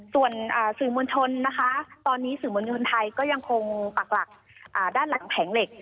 ส่วนสื่อมวลชนนะคะตอนนี้สื่อมวลชนไทยก็ยังคงปักหลักด้านหลังแผงเหล็ก